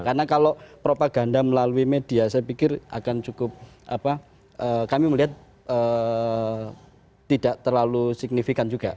karena kalau propaganda melalui media saya pikir akan cukup kami melihat tidak terlalu signifikan juga